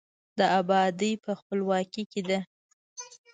د آبادي په، خپلواکۍ کې ده.